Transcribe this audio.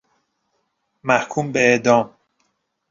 محکوم به اعدام